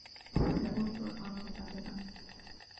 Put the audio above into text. لا أريد أن أراه بعد الآن.